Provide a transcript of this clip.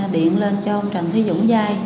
điện lên cho ông trần thúy dũng dây